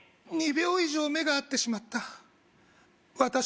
２秒以上目が合ってしまったさあ